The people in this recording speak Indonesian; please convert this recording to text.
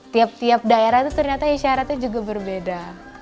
tiap tiap daerah itu ternyata isyaratnya juga berbeda